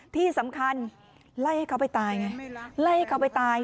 ที่สำคัญไล่ให้เขาไปตายไงไล่ให้เขาไปตาย